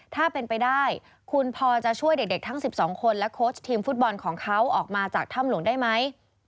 ถ้าเป็นไปได้คุณพอจะช่วยเด็กทั้ง๑๒คนและโค้ชทีมฟุตบอลของเขาออกมาจากถ้ำหลวงได้ไหม